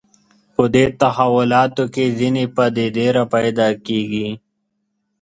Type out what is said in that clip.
په دې تحولاتو کې ځینې پدیدې راپیدا کېږي